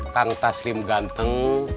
tang taslim ganteng